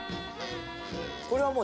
これはもう。